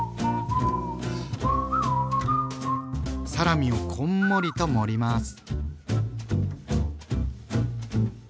サラミをこんもりと盛ります。